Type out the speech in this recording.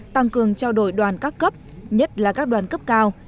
tăng cường trao đổi đoàn các cấp nhất là các đoàn cấp cao